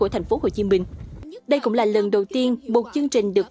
thành phố thủ đức